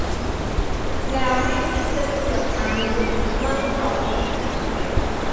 แล้วไม่คิดจะเพื่อ 'การอยู่' มั่งเหรอ ?